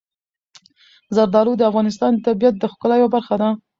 زردالو د افغانستان د طبیعت د ښکلا یوه برخه ده.